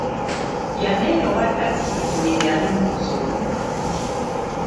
Yanenya owa takisi nti yeyali mu nsobi.